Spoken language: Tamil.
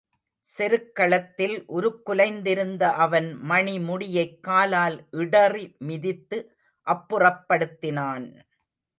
செருக்களத்தில் உருக்குலைந்திருந்த அவன் மணிமுடியைக் காலால் இடறி மிதித்து அப்புறப்படுத்தினான்.